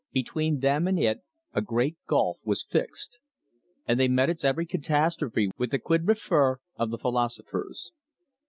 Between them and it a great gulf was fixed: and they met its every catastrophe with the Quid Refert? of the philosophers."